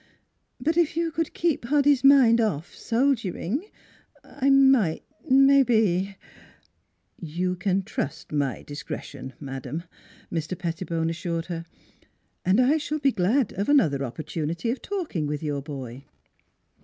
But if you could keep Hoddy's mind off soldiering, I might maybe "' You may trust my discretion, madam," Mr. Pettibone assured her; "and I shall be glad of another opportunity of talking with your boy."